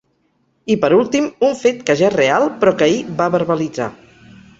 I, per últim, un fet que ja és real però que ahir va verbalitzar.